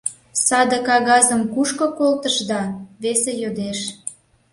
Саде кагазым кушко колтышда? — весе йодеш.